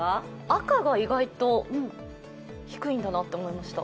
赤が意外と低いんだなと思いました。